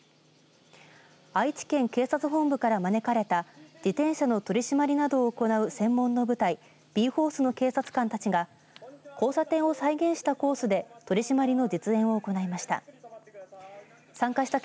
愛知県警察本部から招かれた自転車の取り締まりなどを行う専門の部隊Ｂ‐Ｆｏｒｃｅの警察官たちが交差点を再現したコースで取り締まりの実演を行いました。